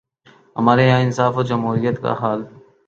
ہمارے ہاں انصاف اور جمہوریت کا حال۔